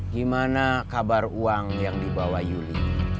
gimana kabar uang yang dibawa yuli